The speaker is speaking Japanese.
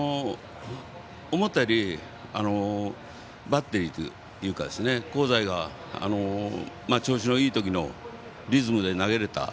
思ったよりバッテリーというか香西が調子のいい時のリズムで投げられた。